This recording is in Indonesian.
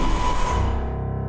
aku akan menang